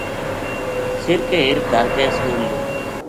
سِر کے ہیٹھ دھر کے سو رہیو